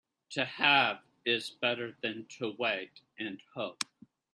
To have is better than to wait and hope.